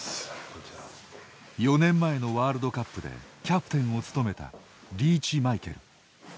４年前のワールドカップでキャプテンを務めたリーチマイケル。